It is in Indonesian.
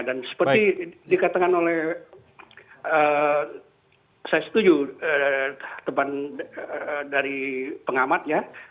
dan seperti dikatakan oleh saya setuju teman dari pengamat ya